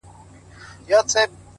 را ژوندی سوی يم _ اساس يمه احساس يمه _